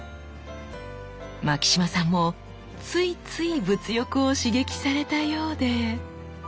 牧島さんもついつい物欲を刺激されたようで。